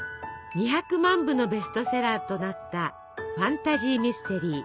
２００万部のベストセラーとなったファンタジーミステリー